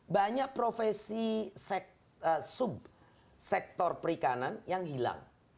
banyak profesi sub sektor perikanan yang hilang